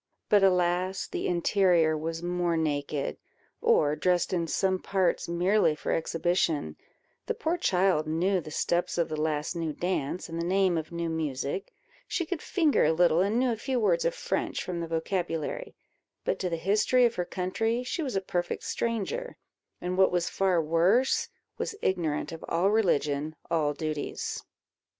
But, alas! the interior was more naked, or dressed in some parts merely for exhibition: the poor child knew the steps of the last new dance and the name of new music; she could finger a little, and knew a few words of French from the vocabulary; but to the history of her country she was a perfect stranger, and, what was far worse, was ignorant of all religion, all duties.